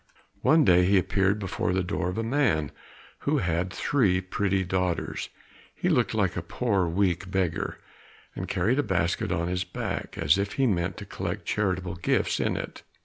One day he appeared before the door of a man who had three pretty daughters; he looked like a poor weak beggar, and carried a basket on his back, as if he meant to collect charitable gifts in it.